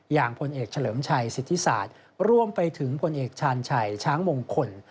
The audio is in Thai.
พลเอกเฉลิมชัยสิทธิศาสตร์รวมไปถึงพลเอกชาญชัยช้างมงคล